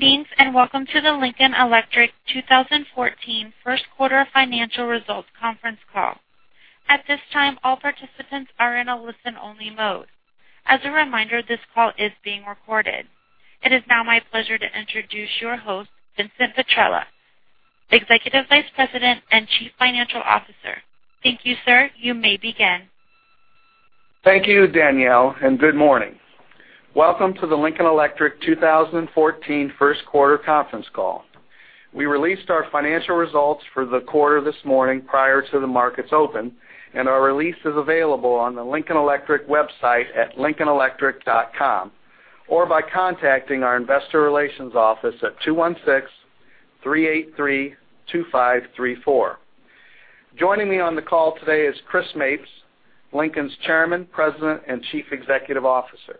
Greetings, welcome to the Lincoln Electric 2014 first quarter financial results conference call. At this time, all participants are in a listen-only mode. As a reminder, this call is being recorded. It is now my pleasure to introduce your host, Vincent Petrella, Executive Vice President and Chief Financial Officer. Thank you, sir. You may begin. Thank you, Danielle, good morning. Welcome to the Lincoln Electric 2014 first quarter conference call. We released our financial results for the quarter this morning prior to the market's open, and our release is available on the Lincoln Electric website at lincolnelectric.com or by contacting our investor relations office at 216-383-2534. Joining me on the call today is Chris Mapes, Lincoln's Chairman, President, and Chief Executive Officer.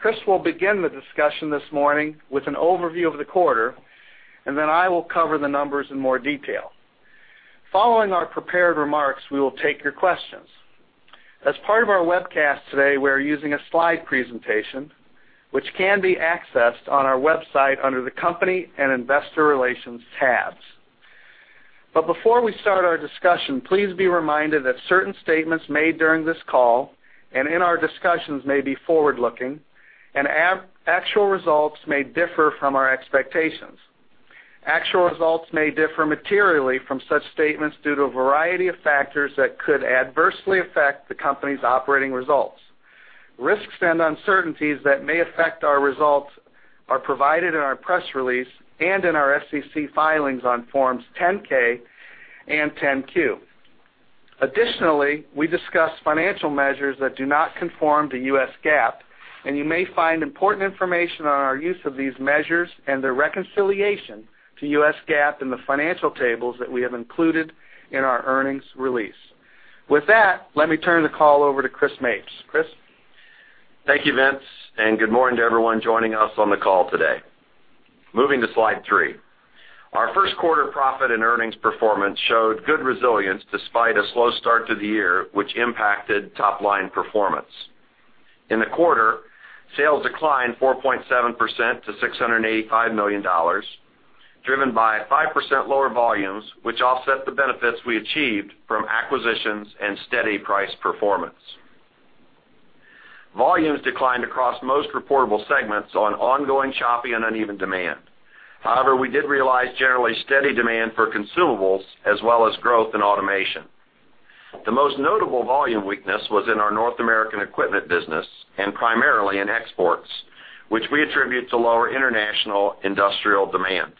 Chris will begin the discussion this morning with an overview of the quarter, then I will cover the numbers in more detail. Following our prepared remarks, we will take your questions. As part of our webcast today, we are using a slide presentation, which can be accessed on our website under the Company and Investor Relations tabs. Before we start our discussion, please be reminded that certain statements made during this call and in our discussions may be forward-looking, and actual results may differ from our expectations. Actual results may differ materially from such statements due to a variety of factors that could adversely affect the company's operating results. Risks and uncertainties that may affect our results are provided in our press release and in our SEC filings on forms 10-K and 10-Q. Additionally, we discuss financial measures that do not conform to U.S. GAAP, you may find important information on our use of these measures and their reconciliation to U.S. GAAP in the financial tables that we have included in our earnings release. With that, let me turn the call over to Chris Mapes. Chris? Thank you, Vince, good morning to everyone joining us on the call today. Moving to slide three. Our first quarter profit and earnings performance showed good resilience despite a slow start to the year, which impacted top-line performance. In the quarter, sales declined 4.7% to $685 million, driven by 5% lower volumes, which offset the benefits we achieved from acquisitions and steady price performance. Volumes declined across most reportable segments on ongoing choppy and uneven demand. However, we did realize generally steady demand for consumables as well as growth in automation. The most notable volume weakness was in our North American equipment business, and primarily in exports, which we attribute to lower international industrial demand.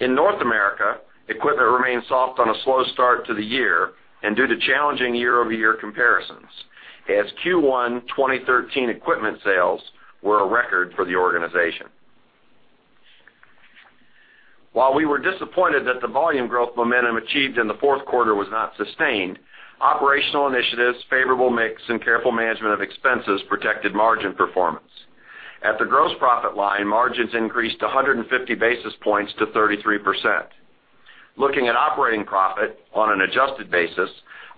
In North America, equipment remains soft on a slow start to the year and due to challenging year-over-year comparisons, as Q1 2013 equipment sales were a record for the organization. While we were disappointed that the volume growth momentum achieved in the fourth quarter was not sustained, operational initiatives, favorable mix, and careful management of expenses protected margin performance. At the gross profit line, margins increased 150 basis points to 33%. Looking at operating profit on an adjusted basis,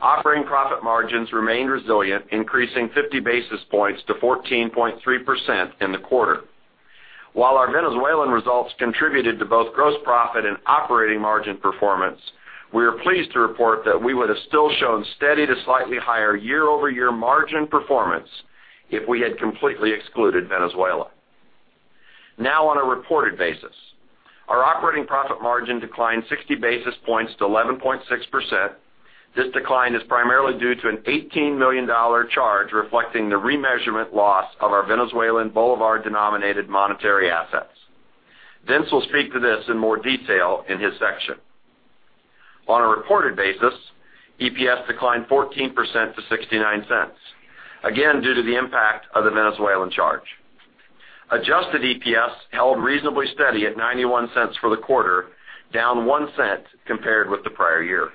operating profit margins remained resilient, increasing 50 basis points to 14.3% in the quarter. While our Venezuelan results contributed to both gross profit and operating margin performance, we are pleased to report that we would have still shown steady to slightly higher year-over-year margin performance if we had completely excluded Venezuela. On a reported basis, our operating profit margin declined 60 basis points to 11.6%. This decline is primarily due to an $18 million charge reflecting the remeasurement loss of our Venezuelan bolivar-denominated monetary assets. Vince will speak to this in more detail in his section. On a reported basis, EPS declined 14% to $0.69, again, due to the impact of the Venezuelan charge. Adjusted EPS held reasonably steady at $0.91 for the quarter, down $0.01 compared with the prior year.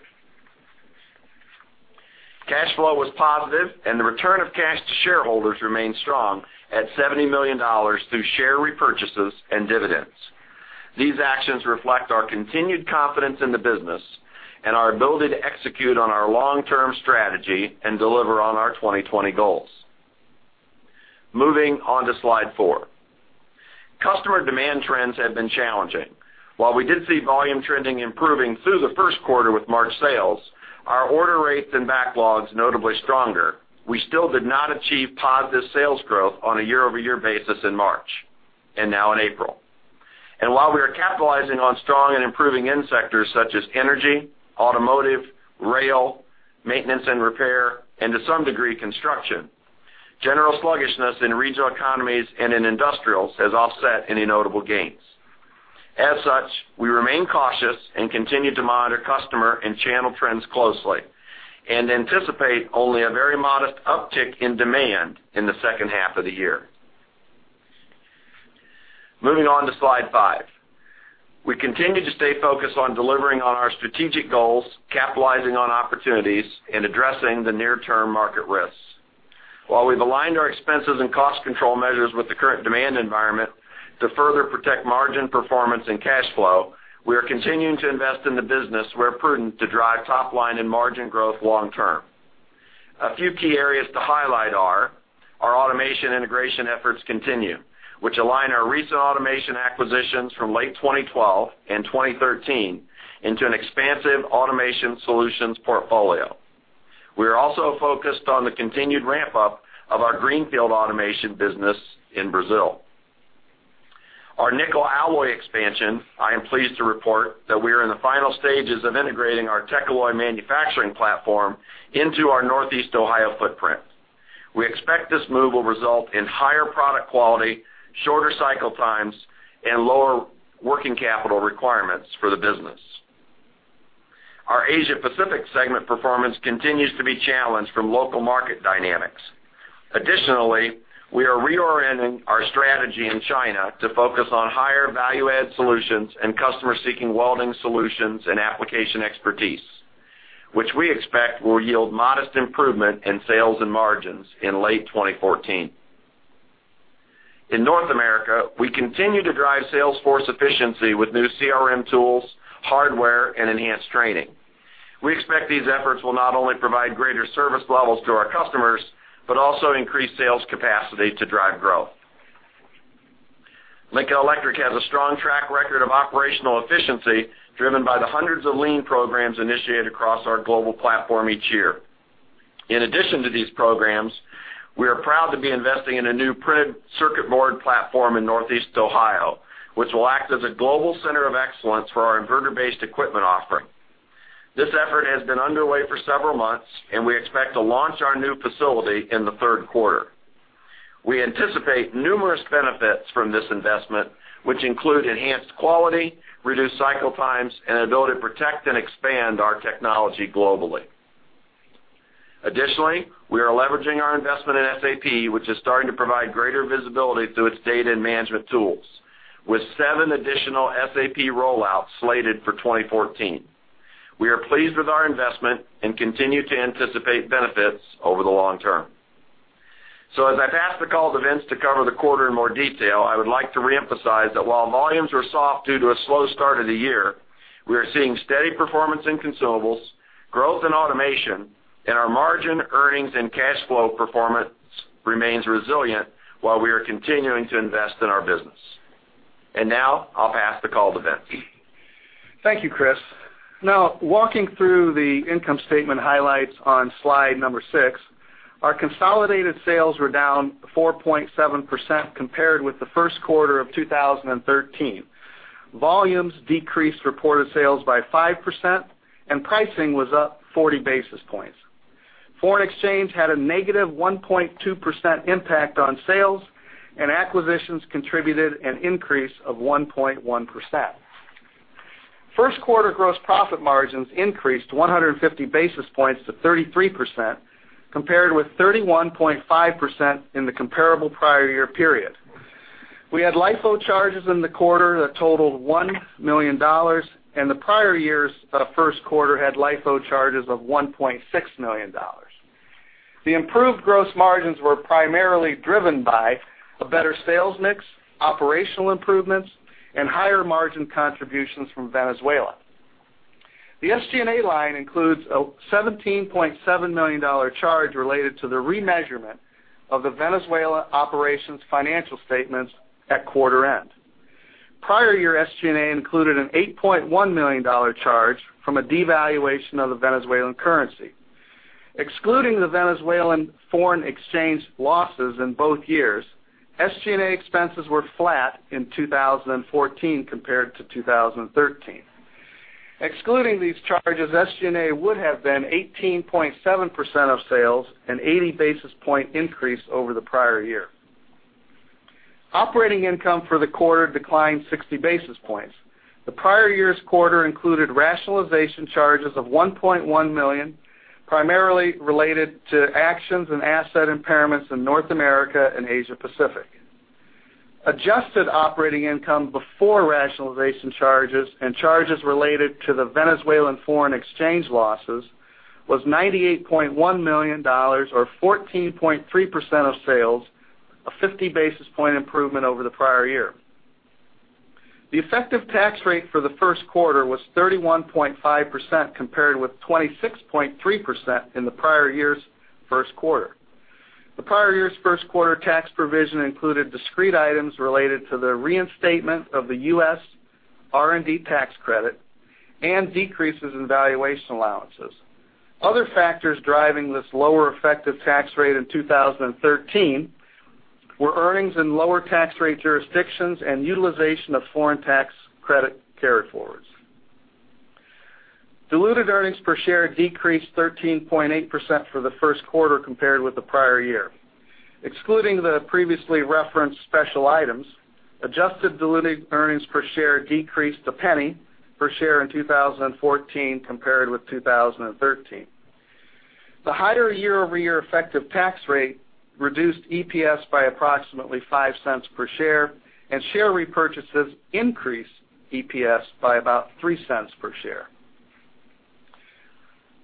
Cash flow was positive, and the return of cash to shareholders remained strong at $70 million through share repurchases and dividends. These actions reflect our continued confidence in the business and our ability to execute on our long-term strategy and deliver on our 2020 goals. Moving on to slide four. Customer demand trends have been challenging. While we did see volume trending improving through the first quarter with March sales, our order rates and backlogs notably stronger, we still did not achieve positive sales growth on a year-over-year basis in March and now in April. While we are capitalizing on strong and improving end sectors such as energy, automotive, rail, maintenance and repair, and to some degree, construction, general sluggishness in regional economies and in industrials has offset any notable gains. As such, we remain cautious and continue to monitor customer and channel trends closely and anticipate only a very modest uptick in demand in the second half of the year. Moving on to slide five. We continue to stay focused on delivering on our strategic goals, capitalizing on opportunities, and addressing the near-term market risks. While we've aligned our expenses and cost control measures with the current demand environment to further protect margin performance and cash flow, we are continuing to invest in the business where prudent to drive top-line and margin growth long term. A few key areas to highlight are: our automation integration efforts continue, which align our recent automation acquisitions from late 2012 and 2013 into an expansive automation solutions portfolio. We are also focused on the continued ramp-up of our greenfield automation business in Brazil. Our nickel alloy expansion, I am pleased to report that we are in the final stages of integrating our Techalloy manufacturing platform into our Northeast Ohio footprint. We expect this move will result in higher product quality, shorter cycle times, and lower working capital requirements for the business. Our Asia-Pacific segment performance continues to be challenged from local market dynamics. Additionally, we are reorienting our strategy in China to focus on higher value-add solutions and customer-seeking welding solutions and application expertise, which we expect will yield modest improvement in sales and margins in late 2014. In North America, we continue to drive sales force efficiency with new CRM tools, hardware, and enhanced training. We expect these efforts will not only provide greater service levels to our customers, but also increase sales capacity to drive growth. Lincoln Electric has a strong track record of operational efficiency driven by the hundreds of lean programs initiated across our global platform each year. In addition to these programs, we are proud to be investing in a new printed circuit board platform in Northeast Ohio, which will act as a global center of excellence for our inverter-based equipment offering. This effort has been underway for several months, and we expect to launch our new facility in the third quarter. We anticipate numerous benefits from this investment, which include enhanced quality, reduced cycle times, and ability to protect and expand our technology globally. We are leveraging our investment in SAP, which is starting to provide greater visibility through its data and management tools, with seven additional SAP rollouts slated for 2014. We are pleased with our investment and continue to anticipate benefits over the long term. As I pass the call to Vince to cover the quarter in more detail, I would like to reemphasize that while volumes are soft due to a slow start of the year, we are seeing steady performance in consumables, growth in automation, and our margin, earnings, and cash flow performance remains resilient while we are continuing to invest in our business. I'll pass the call to Vince. Thank you, Chris. Walking through the income statement highlights on slide number six, our consolidated sales were down 4.7% compared with the first quarter of 2013. Volumes decreased reported sales by 5%, and pricing was up 40 basis points. Foreign exchange had a negative 1.2% impact on sales, and acquisitions contributed an increase of 1.1%. First quarter gross profit margins increased 150 basis points to 33%, compared with 31.5% in the comparable prior year period. We had LIFO charges in the quarter that totaled $1 million, and the prior year's first quarter had LIFO charges of $1.6 million. The improved gross margins were primarily driven by a better sales mix, operational improvements, and higher margin contributions from Venezuela. The SG&A line includes a $17.7 million charge related to the remeasurement of the Venezuela operations financial statements at quarter end. Prior year SG&A included an $8.1 million charge from a devaluation of the Venezuelan currency. Excluding the Venezuelan foreign exchange losses in both years, SG&A expenses were flat in 2014 compared to 2013. Excluding these charges, SG&A would have been 18.7% of sales, an 80 basis points increase over the prior year. Operating income for the quarter declined 60 basis points. The prior year's quarter included rationalization charges of $1.1 million, primarily related to actions and asset impairments in North America and Asia Pacific. Adjusted operating income before rationalization charges and charges related to the Venezuelan foreign exchange losses was $98.1 million or 14.3% of sales, a 50 basis points improvement over the prior year. The effective tax rate for the first quarter was 31.5%, compared with 26.3% in the prior year's first quarter. The prior year's first quarter tax provision included discrete items related to the reinstatement of the U.S. R&D tax credit and decreases in valuation allowances. Other factors driving this lower effective tax rate in 2013 were earnings in lower tax rate jurisdictions and utilization of foreign tax credit carryforwards. Diluted earnings per share decreased 13.8% for the first quarter compared with the prior year. Excluding the previously referenced special items, adjusted diluted earnings per share decreased $0.01 per share in 2014 compared with 2013. The higher year-over-year effective tax rate reduced EPS by approximately $0.05 per share, and share repurchases increased EPS by about $0.03 per share.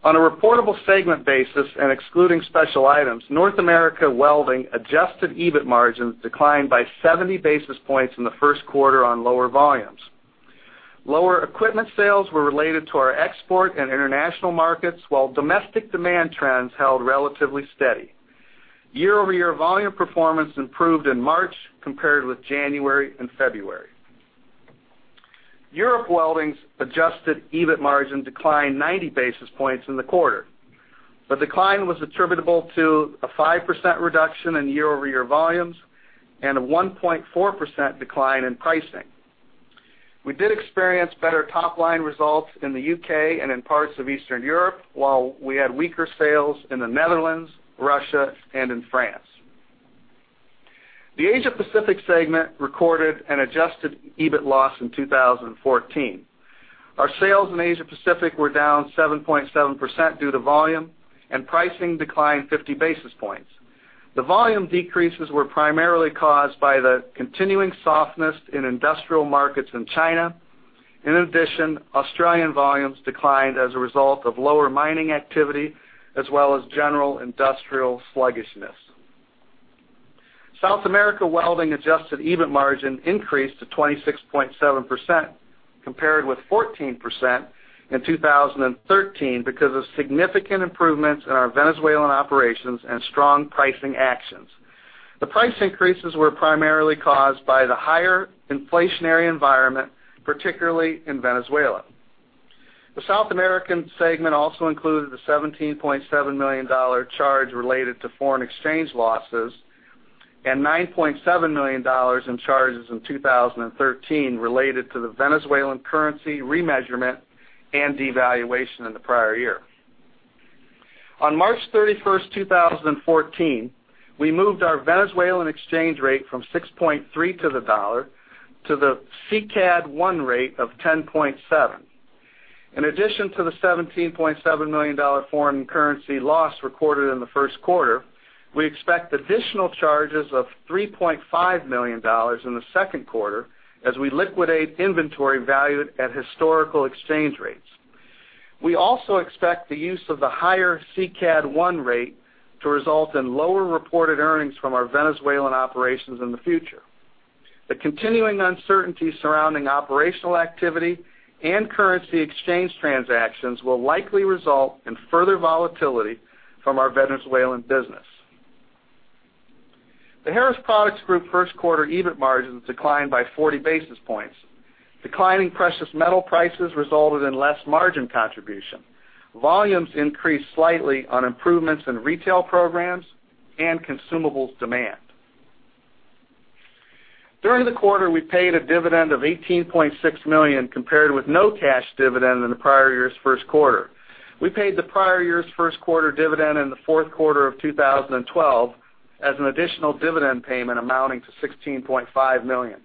On a reportable segment basis and excluding special items, North America Welding adjusted EBIT margins declined by 70 basis points in the first quarter on lower volumes. Lower equipment sales were related to our export and international markets, while domestic demand trends held relatively steady. Year-over-year volume performance improved in March compared with January and February. Europe Welding's adjusted EBIT margin declined 90 basis points in the quarter. The decline was attributable to a 5% reduction in year-over-year volumes and a 1.4% decline in pricing. We did experience better top-line results in the U.K. and in parts of Eastern Europe, while we had weaker sales in the Netherlands, Russia, and in France. The Asia Pacific segment recorded an adjusted EBIT loss in 2014. Our sales in Asia Pacific were down 7.7% due to volume, and pricing declined 50 basis points. The volume decreases were primarily caused by the continuing softness in industrial markets in China. In addition, Australian volumes declined as a result of lower mining activity, as well as general industrial sluggishness. South America Welding adjusted EBIT margin increased to 26.7% compared with 14% in 2013 because of significant improvements in our Venezuelan operations and strong pricing actions. The price increases were primarily caused by the higher inflationary environment, particularly in Venezuela. The South American segment also included a $17.7 million charge related to foreign exchange losses and $9.7 million in charges in 2013 related to the Venezuelan currency remeasurement and devaluation in the prior year. On March 31st, 2014, we moved our Venezuelan exchange rate from 6.3 to the dollar to the SICAD 1 rate of 10.7. In addition to the $17.7 million foreign currency loss recorded in the first quarter, we expect additional charges of $3.5 million in the second quarter as we liquidate inventory valued at historical exchange rates. We also expect the use of the higher SICAD 1 rate to result in lower reported earnings from our Venezuelan operations in the future. The continuing uncertainty surrounding operational activity and currency exchange transactions will likely result in further volatility from our Venezuelan business. The Harris Products Group first quarter EBIT margins declined by 40 basis points. Declining precious metal prices resulted in less margin contribution. Volumes increased slightly on improvements in retail programs and consumables demand. During the quarter, we paid a dividend of $18.6 million compared with no cash dividend in the prior year's first quarter. We paid the prior year's first quarter dividend in the fourth quarter of 2012 as an additional dividend payment amounting to $16.5 million.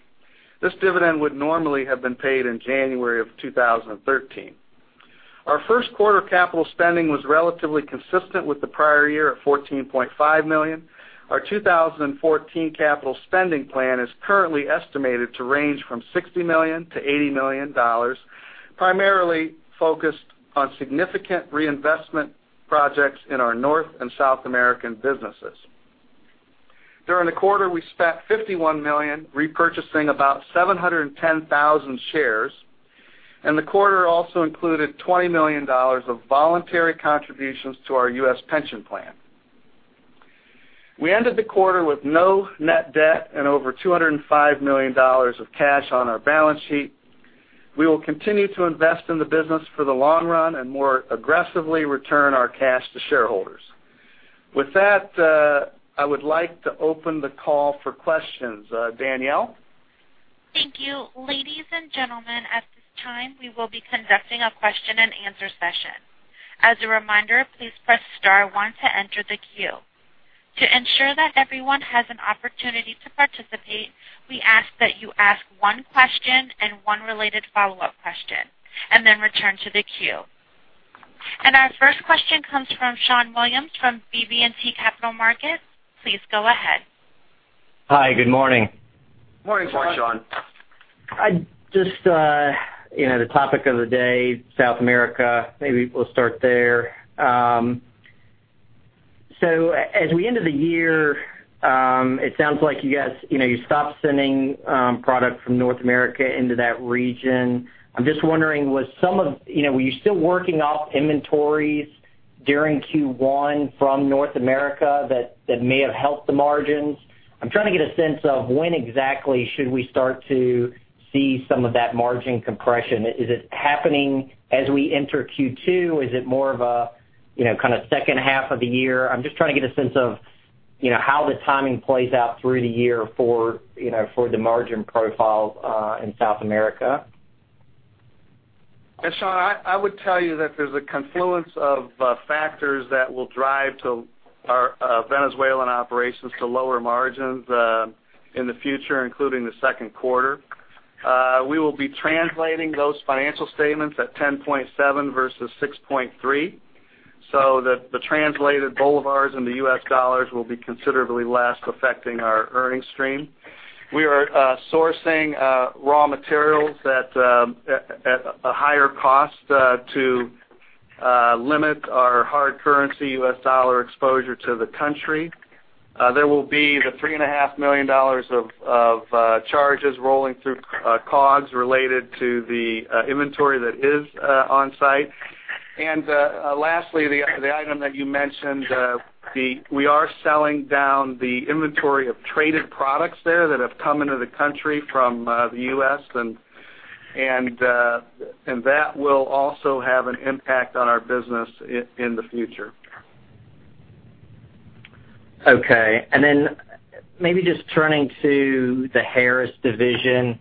This dividend would normally have been paid in January of 2013. Our first quarter capital spending was relatively consistent with the prior year at $14.5 million. Our 2014 capital spending plan is currently estimated to range from $60 million-$80 million, primarily focused on significant reinvestment projects in our North and South American businesses. During the quarter, we spent $51 million repurchasing about 710,000 shares, and the quarter also included $20 million of voluntary contributions to our U.S. pension plan. We ended the quarter with no net debt and over $205 million of cash on our balance sheet. We will continue to invest in the business for the long run and more aggressively return our cash to shareholders. With that, I would like to open the call for questions. Danielle? Thank you. Ladies and gentlemen, at this time, we will be conducting a question-and-answer session. As a reminder, please press star one to enter the queue. To ensure that everyone has an opportunity to participate, we ask that you ask one question and one related follow-up question, then return to the queue. Our first question comes from Schon Williams from BB&T Capital Markets. Please go ahead. Hi, good morning. Morning, Schon. Just the topic of the day, South America, maybe we'll start there. As we end the year, it sounds like you guys stopped sending product from North America into that region. I'm just wondering, were you still working off inventories during Q1 from North America that may have helped the margins? I'm trying to get a sense of when exactly should we start to see some of that margin compression. Is it happening as we enter Q2? Is it more of a kind of second half of the year? I'm just trying to get a sense of how the timing plays out through the year for the margin profile in South America. Shawn, I would tell you that there's a confluence of factors that will drive our Venezuelan operations to lower margins in the future, including the second quarter. We will be translating those financial statements at 10.7 versus 6.3 so that the translated bolívars into U.S. dollars will be considerably less affecting our earnings stream. We are sourcing raw materials at a higher cost to limit our hard currency U.S. dollar exposure to the country. There will be the $3.5 million of charges rolling through COGS related to the inventory that is on site. Lastly, the item that you mentioned, we are selling down the inventory of traded products there that have come into the country from the U.S., and that will also have an impact on our business in the future. Okay. Then maybe just turning to the Harris division.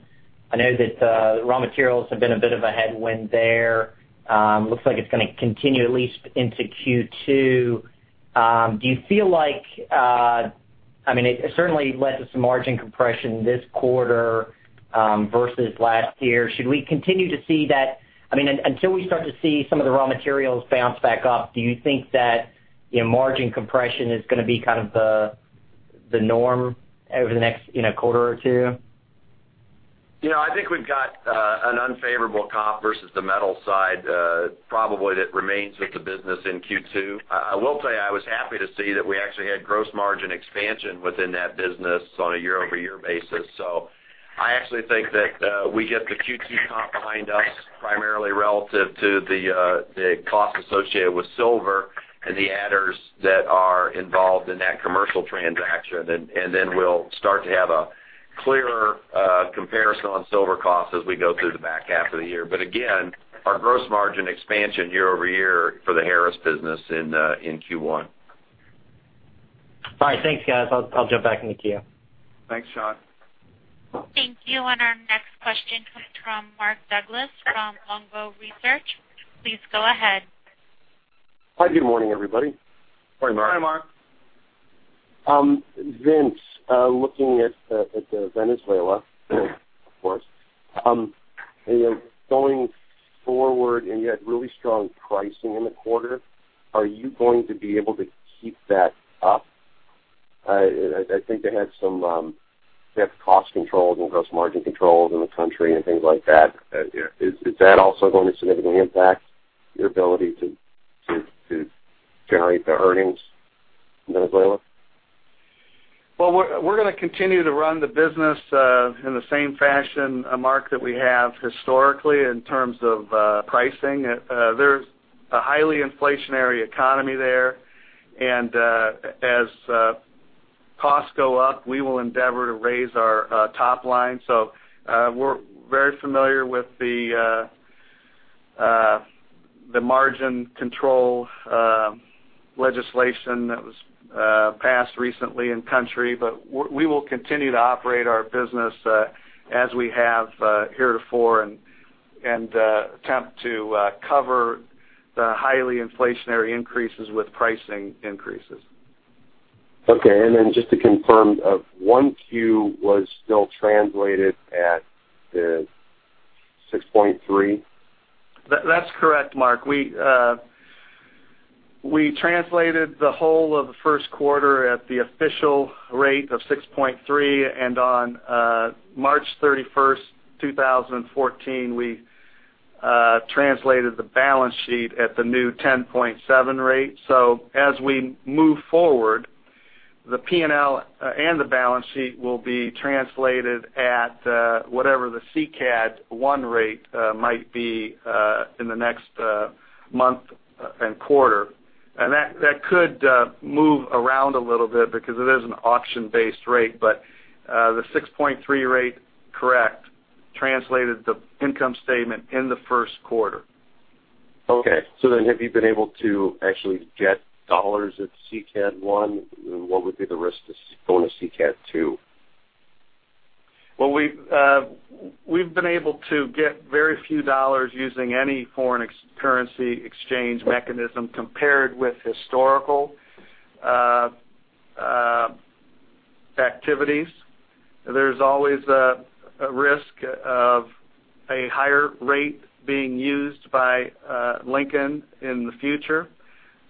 I know that raw materials have been a bit of a headwind there. Looks like it's going to continue at least into Q2. It certainly led to some margin compression this quarter versus last year. Until we start to see some of the raw materials bounce back up, do you think that margin compression is going to be the norm over the next quarter or two? I think we've got an unfavorable comp versus the metal side probably that remains with the business in Q2. I will tell you, I was happy to see that we actually had gross margin expansion within that business on a year-over-year basis. I actually think that we get the Q2 comp behind us primarily relative to the cost associated with silver and the adders that are involved in that commercial transaction, and then we'll start to have a clearer comparison on silver costs as we go through the back half of the year. Again, our gross margin expansion year-over-year for the Harris business in Q1. All right. Thanks, guys. I'll jump back into queue. Thanks, Schon. Thank you. Our next question comes from Mark Douglas from Longbow Research. Please go ahead. Hi, good morning, everybody. Morning, Mark. Hi, Mark. Vince, looking at Venezuela, of course, going forward, you had really strong pricing in the quarter, are you going to be able to keep that up? I think they have cost controls and gross margin controls in the country and things like that. Yeah. Is that also going to significantly impact your ability to generate the earnings in Venezuela? Well, we're going to continue to run the business in the same fashion, Mark, that we have historically in terms of pricing. There's a highly inflationary economy there. As costs go up, we will endeavor to raise our top line. We're very familiar with the margin control legislation that was passed recently in country. We will continue to operate our business as we have heretofore and attempt to cover the highly inflationary increases with pricing increases. Okay. Just to confirm, 1Q was still translated at the 6.3? That's correct, Mark. We translated the whole of the first quarter at the official rate of 6.3, on March 31st, 2014, we translated the balance sheet at the new 10.7 rate. As we move forward, the P&L and the balance sheet will be translated at whatever the SICAD 1 rate might be in the next month and quarter. That could move around a little bit because it is an auction-based rate. The 6.3 rate, correct, translated the income statement in the first quarter. Okay. Have you been able to actually get dollars at SICAD 1? What would be the risk of going to SICAD 2? Well, we've been able to get very few dollars using any foreign currency exchange mechanism compared with historical activities. There's always a risk of a higher rate being used by Lincoln in the future.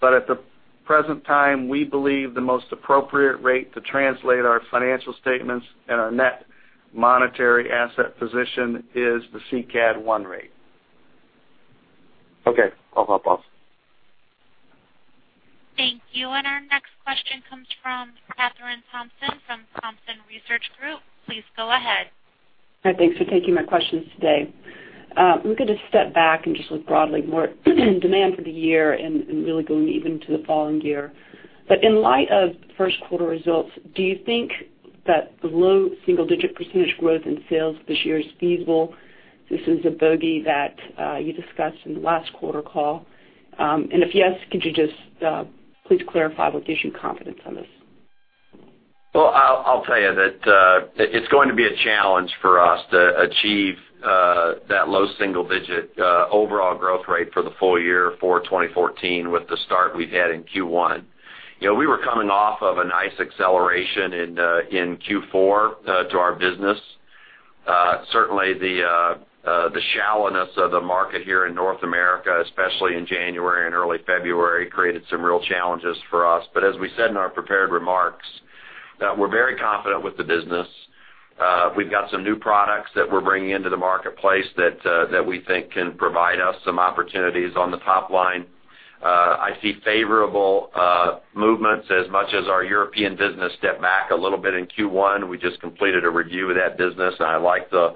At the present time, we believe the most appropriate rate to translate our financial statements and our net monetary asset position is the SICAD 1 rate. Okay. I'll hop off. Thank you. Our next question comes from Kathryn Thompson from Thompson Research Group. Please go ahead. Hi, thanks for taking my questions today. I'm going to just step back and just look broadly more demand for the year and really going even to the following year. In light of first quarter results, do you think that the low single-digit percentage growth in sales this year is feasible? This is a bogey that you discussed in the last quarter call. If yes, could you just please clarify what gives you confidence on this? I'll tell you that it's going to be a challenge for us to achieve that low single-digit overall growth rate for the full year for 2014 with the start we've had in Q1. We were coming off of a nice acceleration in Q4 to our business. Certainly, the shallowness of the market here in North America, especially in January and early February, created some real challenges for us. As we said in our prepared remarks Now, we're very confident with the business. We've got some new products that we're bringing into the marketplace that we think can provide us some opportunities on the top line. I see favorable movements as much as our European business stepped back a little bit in Q1. We just completed a review of that business, and I like the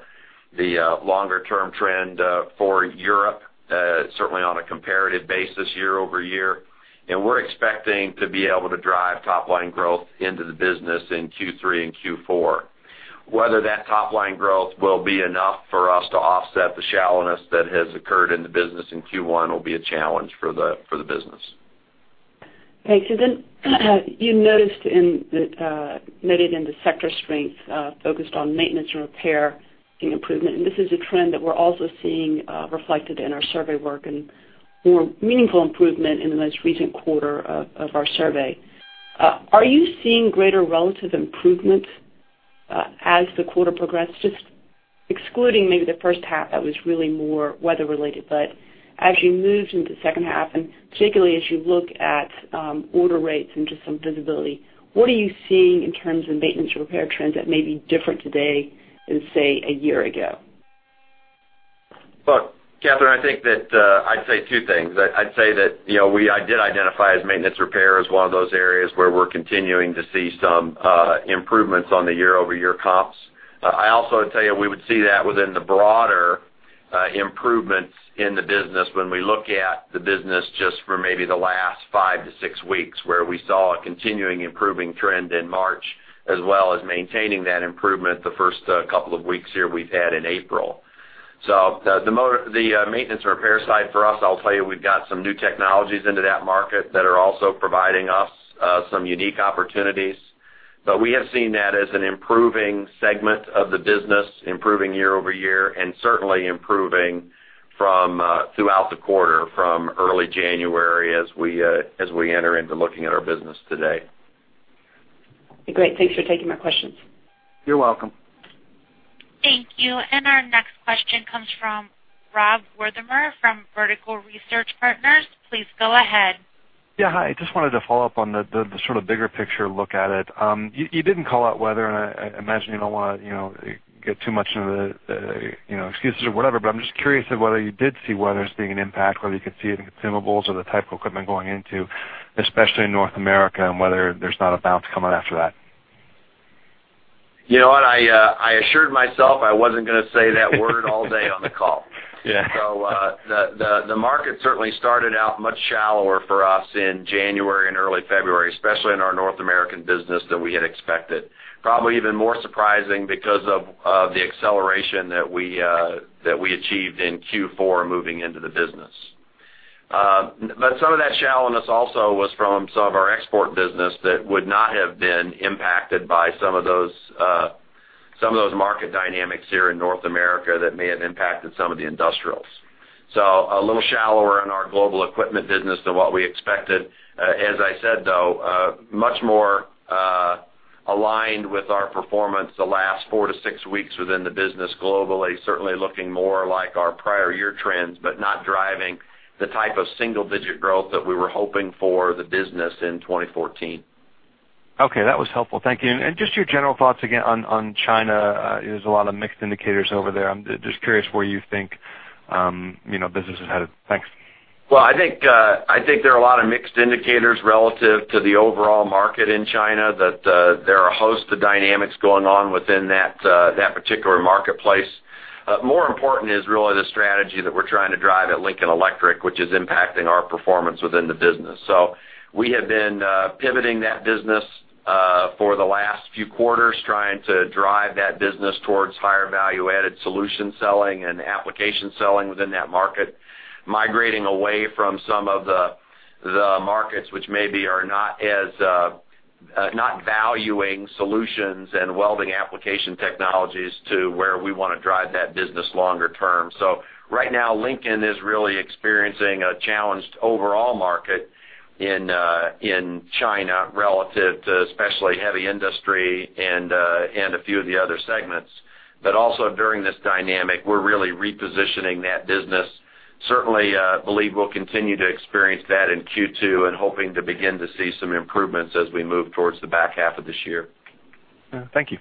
longer-term trend for Europe, certainly on a comparative basis year-over-year. We're expecting to be able to drive top-line growth into the business in Q3 and Q4. Whether that top-line growth will be enough for us to offset the shallowness that has occurred in the business in Q1 will be a challenge for the business. Okay. You noted in the sector strength, focused on maintenance and repair seeing improvement, this is a trend that we're also seeing reflected in our survey work and more meaningful improvement in the most recent quarter of our survey. Are you seeing greater relative improvements as the quarter progressed, just excluding maybe the first half that was really more weather related. As you moved into the second half, and particularly as you look at order rates and just some visibility, what are you seeing in terms of maintenance repair trends that may be different today than, say, a year ago? Look, Kathryn, I think that I'd say two things. I'd say that I did identify as maintenance repair as one of those areas where we're continuing to see some improvements on the year-over-year comps. I also would tell you we would see that within the broader improvements in the business when we look at the business just for maybe the last five to six weeks, where we saw a continuing improving trend in March, as well as maintaining that improvement the first couple of weeks here we've had in April. The maintenance repair side for us, I'll tell you, we've got some new technologies into that market that are also providing us some unique opportunities. We have seen that as an improving segment of the business, improving year-over-year, and certainly improving throughout the quarter from early January as we enter into looking at our business today. Great. Thanks for taking my questions. You're welcome. Thank you. Our next question comes from Rob Wertheimer from Vertical Research Partners. Please go ahead. Yeah. Hi. I just wanted to follow up on the sort of bigger picture look at it. You didn't call out weather, and I imagine you don't want to get too much into the excuses or whatever, but I'm just curious of whether you did see weather as being an impact, whether you could see it in consumables or the type of equipment going into, especially in North America, and whether there's not a bounce coming after that. You know what? I assured myself I wasn't going to say that word all day on the call. Yeah. The market certainly started out much shallower for us in January and early February, especially in our North American business, than we had expected. Probably even more surprising because of the acceleration that we achieved in Q4 moving into the business. Some of that shallowness also was from some of our export business that would not have been impacted by some of those market dynamics here in North America that may have impacted some of the industrials. A little shallower in our global equipment business than what we expected. As I said, though, much more aligned with our performance the last four to six weeks within the business globally. Certainly looking more like our prior year trends, but not driving the type of single-digit growth that we were hoping for the business in 2014. Okay. That was helpful. Thank you. Just your general thoughts again on China. There's a lot of mixed indicators over there. I'm just curious where you think business is headed. Thanks. Well, I think there are a lot of mixed indicators relative to the overall market in China, that there are a host of dynamics going on within that particular marketplace. More important is really the strategy that we're trying to drive at Lincoln Electric, which is impacting our performance within the business. We have been pivoting that business for the last few quarters, trying to drive that business towards higher value-added solution selling and application selling within that market, migrating away from some of the markets which maybe are not valuing solutions and welding application technologies to where we want to drive that business longer term. Right now, Lincoln is really experiencing a challenged overall market in China relative to especially heavy industry and a few of the other segments. Also during this dynamic, we're really repositioning that business. Certainly believe we'll continue to experience that in Q2 and hoping to begin to see some improvements as we move towards the back half of this year. Thank you.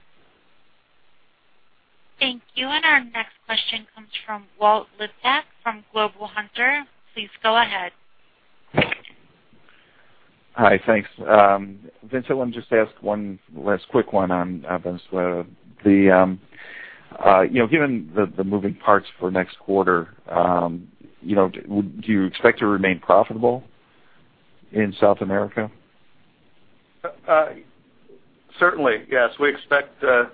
Thank you. Our next question comes from Walt Liptak from Global Hunter. Please go ahead. Hi, thanks. Vince, I want to just ask one last quick one on Venezuela. Given the moving parts for next quarter, do you expect to remain profitable in South America? Certainly, yes. We expect to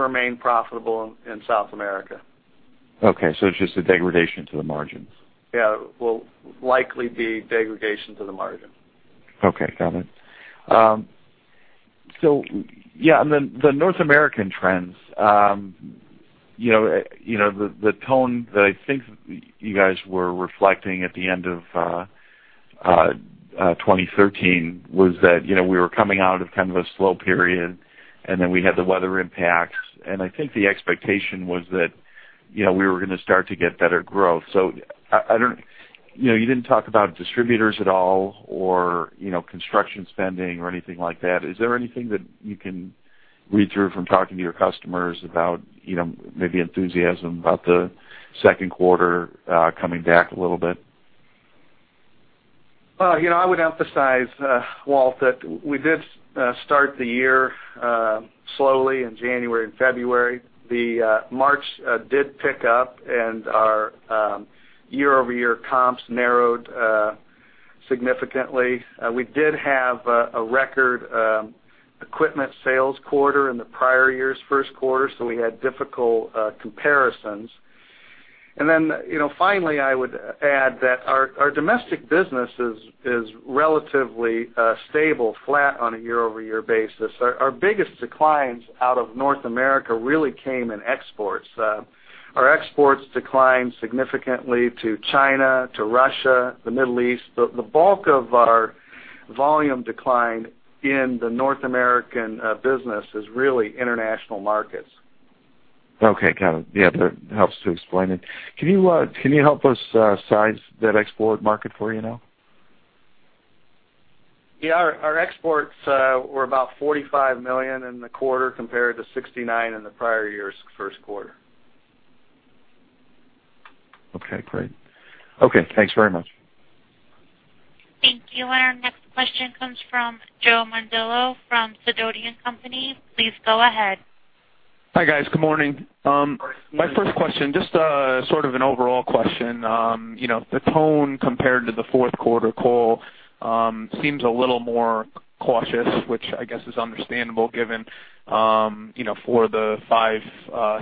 remain profitable in South America. Okay. It's just a degradation to the margins. Yeah. Will likely be degradation to the margin. Okay, got it. Yeah, on the North American trends, the tone that I think you guys were reflecting at the end of 2013 was that we were coming out of kind of a slow period, and then we had the weather impacts. I think the expectation was that we were going to start to get better growth. You didn't talk about distributors at all or construction spending or anything like that. Is there anything that you can read through from talking to your customers about maybe enthusiasm about the second quarter coming back a little bit? I would emphasize, Walt, that we did start the year slowly in January and February. March did pick up, and our year-over-year comps narrowed significantly. We did have a record equipment sales quarter in the prior year's first quarter, so we had difficult comparisons. Finally, I would add that our domestic business is relatively stable, flat on a year-over-year basis. Our biggest declines out of North America really came in exports. Our exports declined significantly to China, to Russia, the Middle East. The bulk of our volume decline in the North American business is really international markets. Okay. Got it. Yeah, that helps to explain it. Can you help us size that export market for you now? Our exports were about $45 million in the quarter compared to $69 million in the prior year's first quarter. Okay, great. Okay, thanks very much. Thank you. Our next question comes from Joe Mondillo from Sidoti & Company. Please go ahead. Hi guys. Good morning. My first question, just sort of an overall question. The tone compared to the fourth quarter call seems a little more cautious, which I guess is understandable given four of the five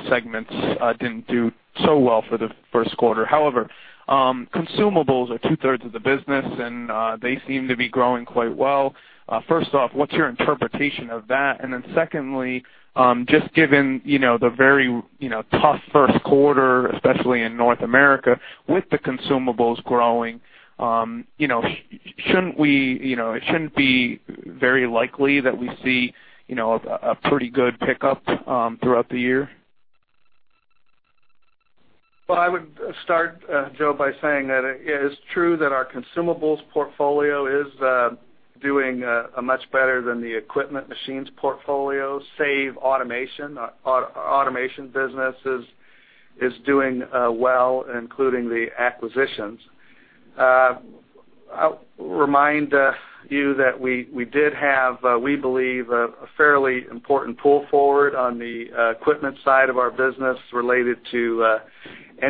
segments didn't do so well for the first quarter. However, consumables are two-thirds of the business, they seem to be growing quite well. First off, what's your interpretation of that? Secondly, just given the very tough first quarter, especially in North America with the consumables growing, shouldn't it be very likely that we see a pretty good pickup throughout the year? Well, I would start, Joe, by saying that it is true that our consumables portfolio is doing much better than the equipment machines portfolio, save automation. Our automation business is doing well, including the acquisitions. I'll remind you that we did have, we believe, a fairly important pull forward on the equipment side of our business related to the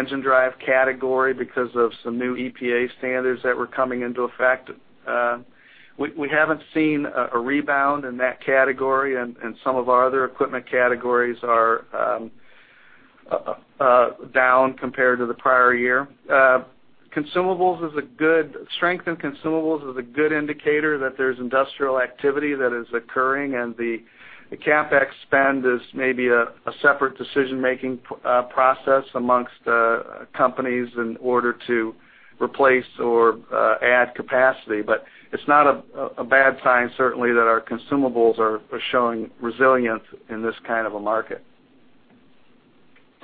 engine drive category because of some new EPA standards that were coming into effect. We haven't seen a rebound in that category, and some of our other equipment categories are down compared to the prior year. Strength in consumables is a good indicator that there's industrial activity that is occurring, and the CapEx spend is maybe a separate decision-making process amongst companies in order to replace or add capacity. It's not a bad sign, certainly, that our consumables are showing resilience in this kind of a market.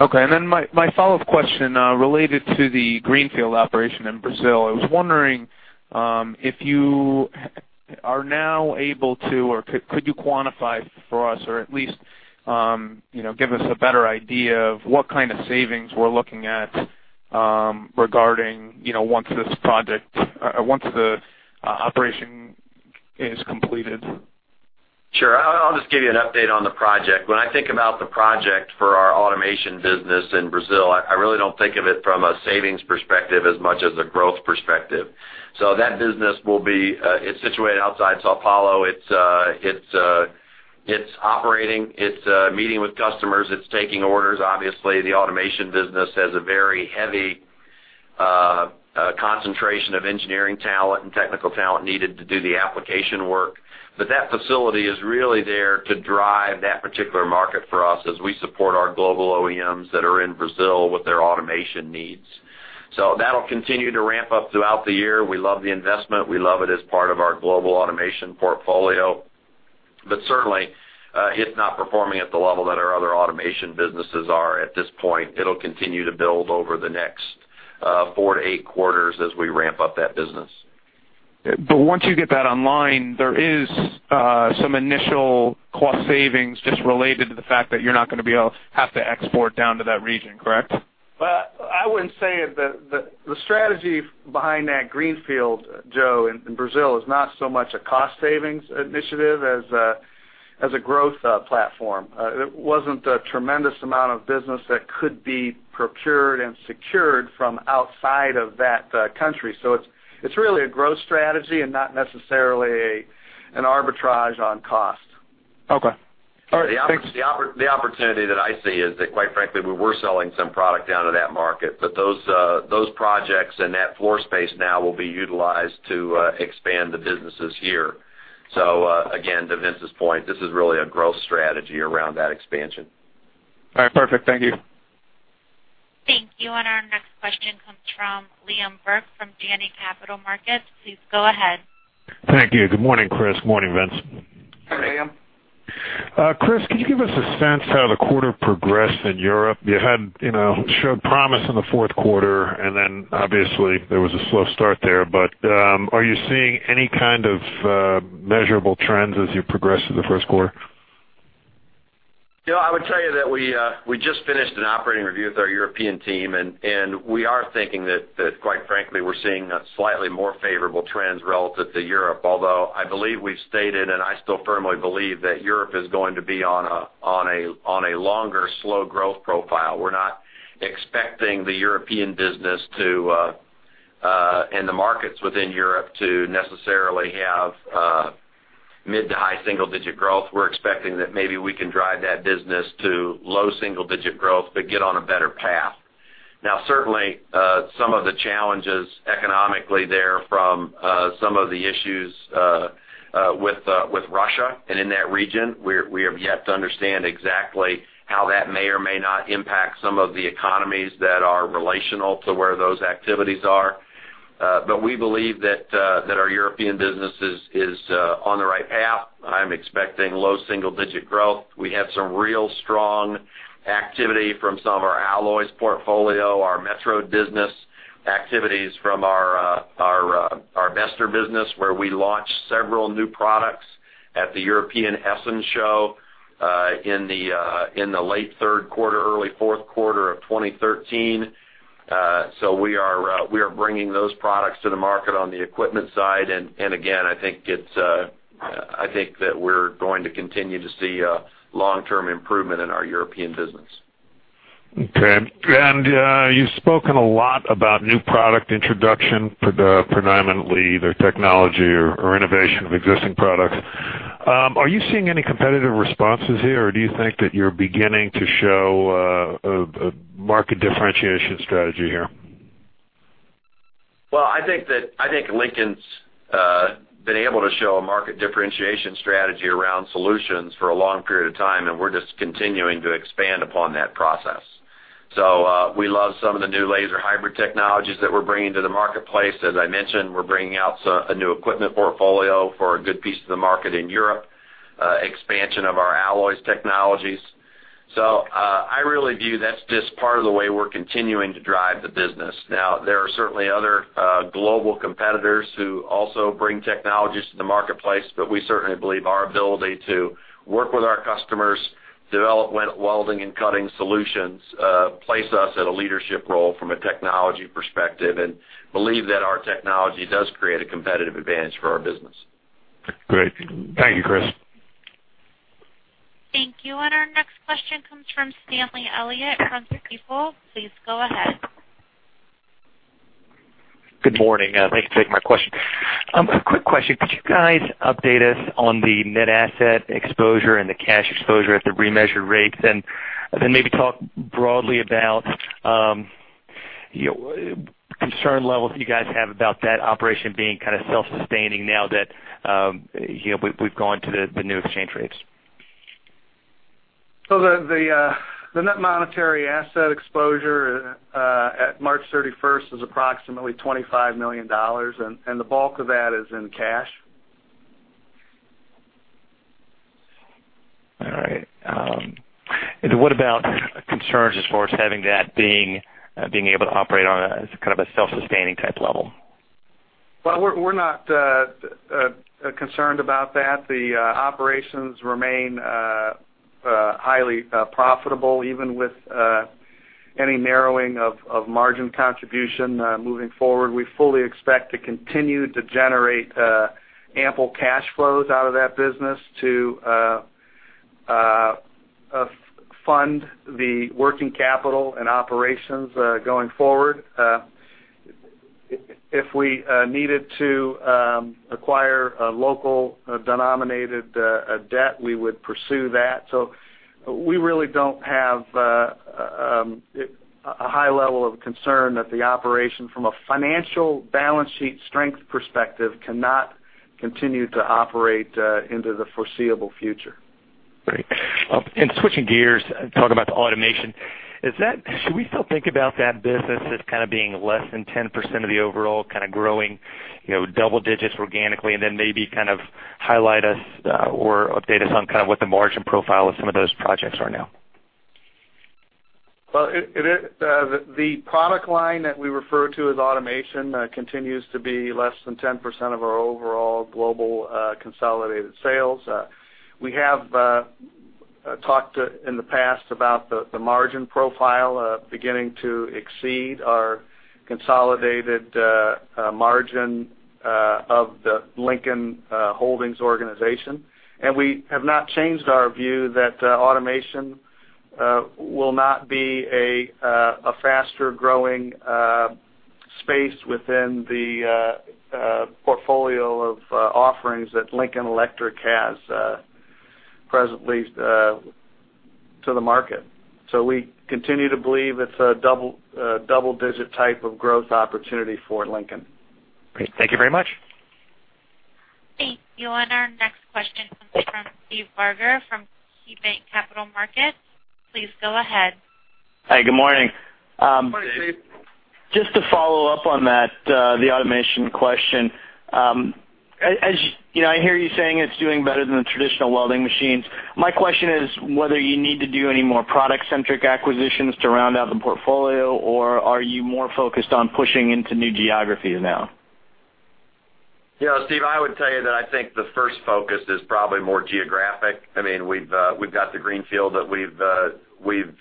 Okay. My follow-up question related to the greenfield operation in Brazil. I was wondering if you are now able to, or could you quantify for us or at least give us a better idea of what kind of savings we're looking at regarding once the operation is completed? I'll just give you an update on the project. When I think about the project for our automation business in Brazil, I really don't think of it from a savings perspective as much as a growth perspective. That business is situated outside São Paulo. It's operating, it's meeting with customers, it's taking orders. Obviously, the automation business has a very heavy concentration of engineering talent and technical talent needed to do the application work. That facility is really there to drive that particular market for us as we support our global OEMs that are in Brazil with their automation needs. That'll continue to ramp up throughout the year. We love the investment. We love it as part of our global automation portfolio. Certainly, it's not performing at the level that our other automation businesses are at this point. It'll continue to build over the next four to eight quarters as we ramp up that business. Once you get that online, there is some initial cost savings just related to the fact that you're not going to have to export down to that region, correct? I wouldn't say the strategy behind that greenfield, Joe, in Brazil is not so much a cost savings initiative as a growth platform. It wasn't a tremendous amount of business that could be procured and secured from outside of that country. It's really a growth strategy and not necessarily an arbitrage on cost. Okay. All right. Thanks. The opportunity that I see is that quite frankly, we were selling some product down to that market. Those projects and that floor space now will be utilized to expand the businesses here. Again, to Vince's point, this is really a growth strategy around that expansion. All right. Perfect. Thank you. Thank you. Our next question comes from Liam Burke from Janney Capital Markets. Please go ahead. Thank you. Good morning, Chris. Morning, Vince. Hi, Liam. Chris, could you give us a sense how the quarter progressed in Europe? You showed promise in the fourth quarter. Obviously there was a slow start there. Are you seeing any kind of measurable trends as you progress through the first quarter? I would tell you that we just finished an operating review with our European team. We are thinking that quite frankly, we're seeing slightly more favorable trends relative to Europe. Although I believe we've stated, I still firmly believe, that Europe is going to be on a longer slow growth profile. We're not expecting the European business and the markets within Europe to necessarily have mid to high single-digit growth. We're expecting that maybe we can drive that business to low single-digit growth, get on a better path. Now, certainly, some of the challenges economically there from some of the issues with Russia and in that region, we have yet to understand exactly how that may or may not impact some of the economies that are relational to where those activities are. We believe that our European business is on the right path. I'm expecting low single-digit growth. We have some real strong activity from some of our alloys portfolio, our metro business activities from our Bester business, where we launched several new products at the European Essen Show in the late third quarter, early fourth quarter of 2013. We are bringing those products to the market on the equipment side. Again, I think that we're going to continue to see long-term improvement in our European business. Okay. You've spoken a lot about new product introduction, predominantly either technology or innovation of existing products. Are you seeing any competitive responses here, or do you think that you're beginning to show a market differentiation strategy here? Well, I think Lincoln's been able to show a market differentiation strategy around solutions for a long period of time, and we're just continuing to expand upon that process. We love some of the new laser hybrid technologies that we're bringing to the marketplace. As I mentioned, we're bringing out a new equipment portfolio for a good piece of the market in Europe, expansion of our alloys technologies. I really view that's just part of the way we're continuing to drive the business. There are certainly other global competitors who also bring technologies to the marketplace, but we certainly believe our ability to work with our customers, develop welding and cutting solutions, place us at a leadership role from a technology perspective, and believe that our technology does create a competitive advantage for our business. Great. Thank you, Chris. Thank you. Our next question comes from Stanley Elliott from Stifel. Please go ahead. Good morning. Thanks for taking my question. A quick question. Could you guys update us on the net asset exposure and the cash exposure at the remeasured rates? Then maybe talk broadly about concern levels you guys have about that operation being kind of self-sustaining now that we've gone to the new exchange rates. The net monetary asset exposure at March 31st is approximately $25 million, and the bulk of that is in cash. All right. What about concerns as far as having that being able to operate on a kind of a self-sustaining type level? We're not concerned about that. The operations remain highly profitable, even with any narrowing of margin contribution moving forward. We fully expect to continue to generate ample cash flows out of that business to fund the working capital and operations going forward. If we needed to acquire a local denominated debt, we would pursue that. We really don't have a high level of concern that the operation, from a financial balance sheet strength perspective, cannot continue to operate into the foreseeable future. Great. Switching gears, talking about the automation. Should we still think about that business as kind of being less than 10% of the overall kind of growing double digits organically, then maybe kind of highlight us or update us on kind of what the margin profile of some of those projects are now? The product line that we refer to as automation continues to be less than 10% of our overall global consolidated sales. We have talked in the past about the margin profile beginning to exceed our consolidated margin of the Lincoln Electric Holdings organization. We have not changed our view that automation will not be a faster-growing space within the portfolio of offerings that Lincoln Electric has presently to the market. We continue to believe it's a double-digit type of growth opportunity for Lincoln. Great. Thank you very much. Thank you. Our next question comes from Steve Barger from KeyBanc Capital Markets. Please go ahead. Hi, good morning. Good morning, Steve. Just to follow up on that, the automation question. I hear you saying it's doing better than the traditional welding machines. My question is whether you need to do any more product-centric acquisitions to round out the portfolio, or are you more focused on pushing into new geographies now? Yeah, Steve, I would tell you that I think the first focus is probably more geographic. We've got the greenfield that we've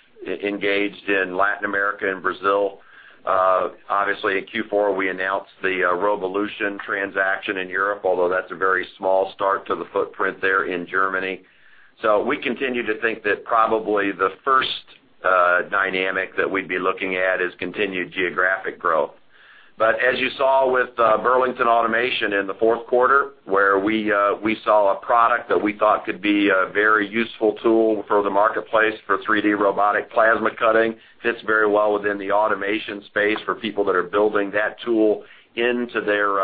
engaged in Latin America and Brazil. Obviously, in Q4, we announced the Robolution transaction in Europe, although that's a very small start to the footprint there in Germany. We continue to think that probably the first dynamic that we'd be looking at is continued geographic growth. As you saw with Burlington Automation in the fourth quarter, where we saw a product that we thought could be a very useful tool for the marketplace for 3D robotic plasma cutting, fits very well within the automation space for people that are building that tool into their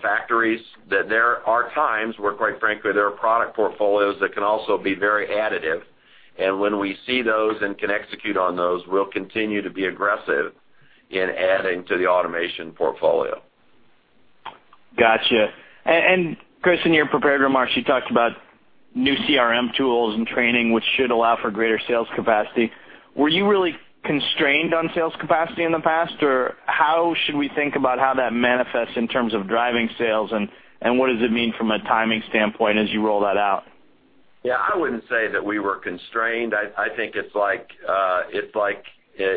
factories. That there are times where, quite frankly, there are product portfolios that can also be very additive. When we see those and can execute on those, we'll continue to be aggressive in adding to the automation portfolio. Got you. Chris, in your prepared remarks, you talked about new CRM tools and training, which should allow for greater sales capacity. Were you really constrained on sales capacity in the past, or how should we think about how that manifests in terms of driving sales, and what does it mean from a timing standpoint as you roll that out? Yeah, I wouldn't say that we were constrained. I think it's like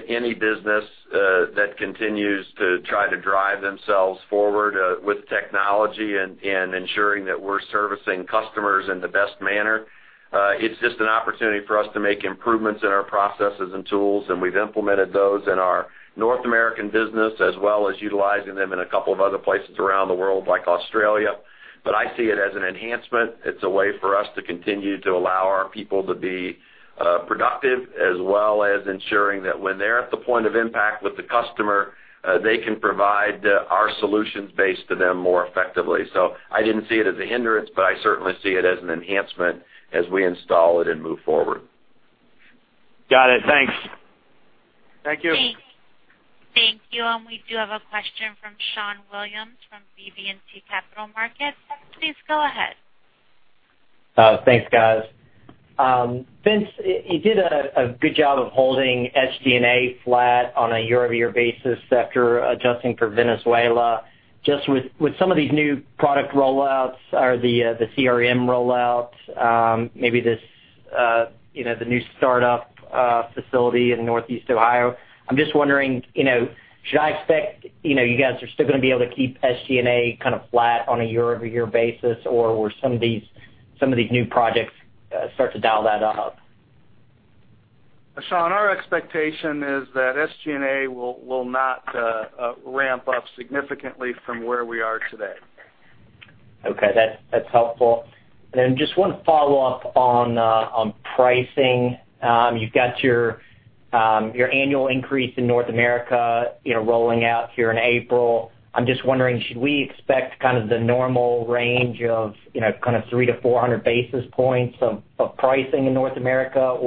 any business that continues to try to drive themselves forward with technology and ensuring that we're servicing customers in the best manner. It's just an opportunity for us to make improvements in our processes and tools, and we've implemented those in our North American business, as well as utilizing them in a couple of other places around the world, like Australia. I see it as an enhancement. It's a way for us to continue to allow our people to be productive, as well as ensuring that when they're at the point of impact with the customer, they can provide our solutions base to them more effectively. I didn't see it as a hindrance, but I certainly see it as an enhancement as we install it and move forward. Got it. Thanks. Thank you. Thank you. We do have a question from Schon Williams from BB&T Capital Markets. Please go ahead. Thanks, guys. Vince, you did a good job of holding SG&A flat on a year-over-year basis after adjusting for Venezuela. With some of these new product rollouts or the CRM rollouts, maybe the new startup facility in Northeast Ohio, I'm just wondering, should I expect you guys are still going to be able to keep SG&A kind of flat on a year-over-year basis? Will some of these new projects start to dial that up? Schon, our expectation is that SG&A will not ramp up significantly from where we are today. Okay, that's helpful. Just one follow-up on pricing. You've got your annual increase in North America rolling out here in April. I'm just wondering, should we expect kind of the normal range of 300-400 basis points of pricing in North America?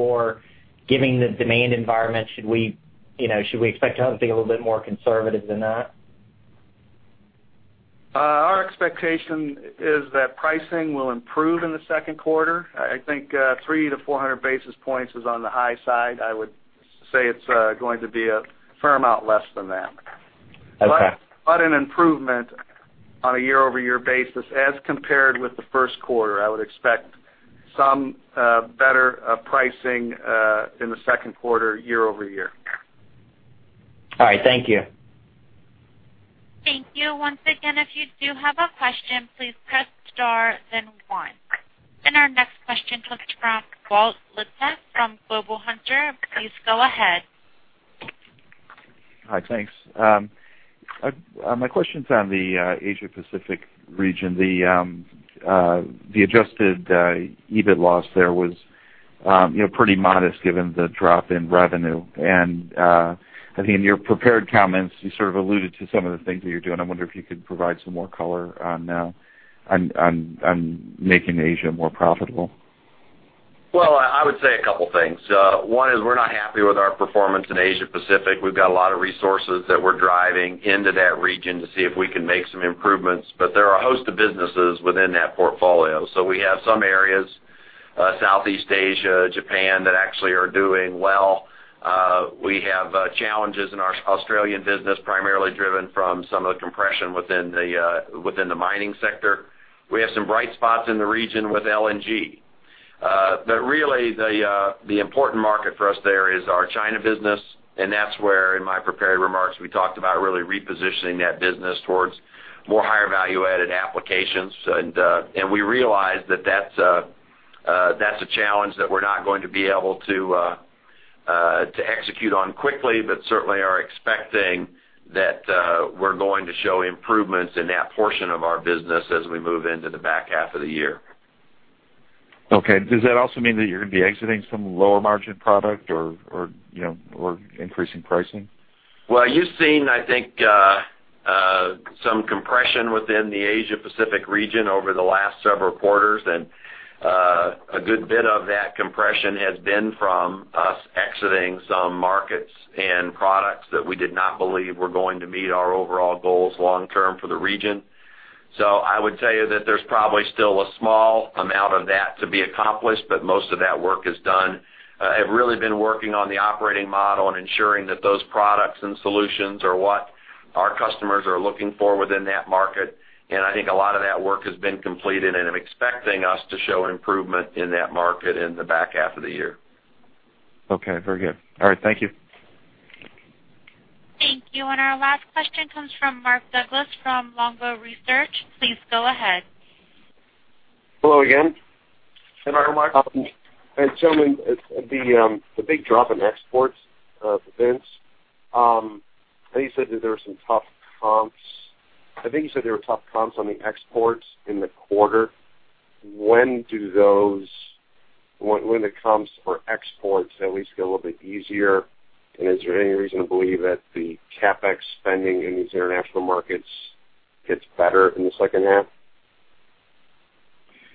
Given the demand environment, should we expect to be a little bit more conservative than that? Our expectation is that pricing will improve in the second quarter. I think 300-400 basis points is on the high side. I would say it's going to be a fair amount less than that. Okay. An improvement on a year-over-year basis as compared with the first quarter. I would expect some better pricing in the second quarter year-over-year. All right. Thank you. Thank you. Once again, if you do have a question, please press star then one. Our next question comes from Walt Liptak from Global Hunter. Please go ahead. Hi. Thanks. My question's on the Asia Pacific region. The adjusted EBIT loss there was pretty modest given the drop in revenue. I think in your prepared comments, you sort of alluded to some of the things that you're doing. I wonder if you could provide some more color on making Asia more profitable. Well, I would say a couple things. One is we're not happy with our performance in Asia Pacific. We've got a lot of resources that we're driving into that region to see if we can make some improvements. There are a host of businesses within that portfolio. We have some areas, Southeast Asia, Japan, that actually are doing well. We have challenges in our Australian business, primarily driven from some of the compression within the mining sector. We have some bright spots in the region with LNG. Really, the important market for us there is our China business, and that's where, in my prepared remarks, we talked about really repositioning that business towards more higher value-added applications. We realize that that's a challenge that we're not going to be able to execute on quickly, but certainly are expecting that we're going to show improvements in that portion of our business as we move into the back half of the year. Okay. Does that also mean that you're going to be exiting some lower margin product or increasing pricing? Well, you've seen, I think, some compression within the Asia Pacific region over the last several quarters, a good bit of that compression has been from us exiting some markets and products that we did not believe were going to meet our overall goals long term for the region. I would tell you that there's probably still a small amount of that to be accomplished, but most of that work is done. I've really been working on the operating model and ensuring that those products and solutions are what our customers are looking for within that market, I think a lot of that work has been completed, and I'm expecting us to show an improvement in that market in the back half of the year. Okay, very good. All right, thank you. Thank you. Our last question comes from Mark Douglas from Longbow Research. Please go ahead. Hello again. Hello, Mark. Hey, gentlemen. The big drop in exports, Vince, I think you said that there were some tough comps. I think you said there were tough comps on the exports in the quarter. When the comps for exports at least get a little bit easier, is there any reason to believe that the CapEx spending in these international markets gets better in the second half?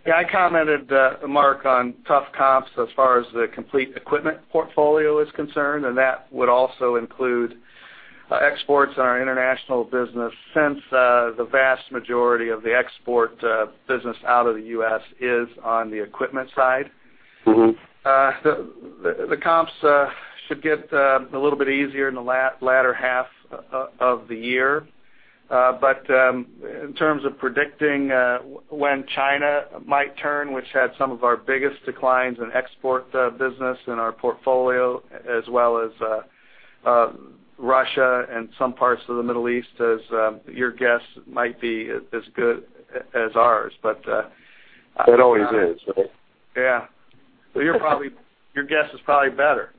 Yeah, I commented, Mark, on tough comps as far as the complete equipment portfolio is concerned. That would also include exports in our international business since the vast majority of the export business out of the U.S. is on the equipment side. The comps should get a little bit easier in the latter half of the year. In terms of predicting when China might turn, which had some of our biggest declines in export business in our portfolio, as well as Russia and some parts of the Middle East, your guess might be as good as ours. It always is, right? Yeah. Your guess is probably better.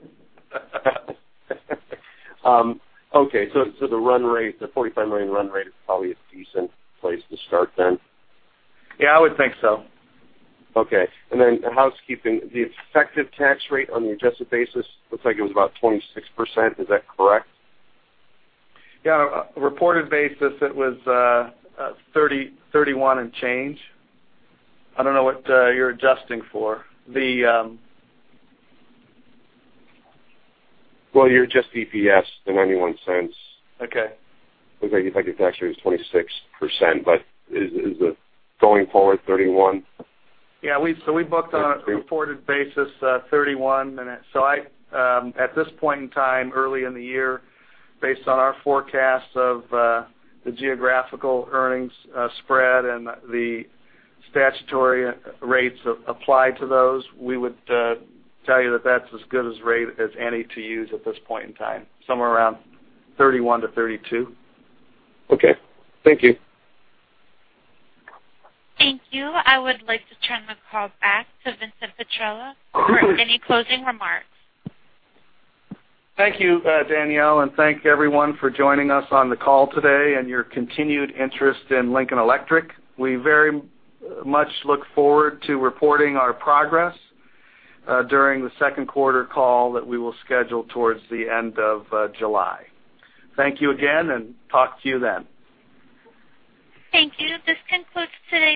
The run rate, the 45 million run rate is probably a decent place to start then? Yeah, I would think so. Okay. Housekeeping, the effective tax rate on the adjusted basis looks like it was about 26%. Is that correct? Yeah. Reported basis, it was 31 and change. I don't know what you're adjusting for. The Well, your adjusted EPS, the $0.91. Okay. Looks like your tax rate was 26%, is it going forward 31? We booked on a reported basis, 31. At this point in time, early in the year, based on our forecast of the geographical earnings spread and the statutory rates applied to those, we would tell you that's as good as rate as any to use at this point in time, somewhere around 31-32. Okay. Thank you. Thank you. I would like to turn the call back to Vincent Petrella for any closing remarks. Thank you, Danielle, thank everyone for joining us on the call today and your continued interest in Lincoln Electric. We very much look forward to reporting our progress during the second quarter call that we will schedule towards the end of July. Thank you again, talk to you then. Thank you. This concludes today's call.